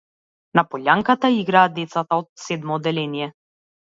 На полјанката играат децата од седмо одделение.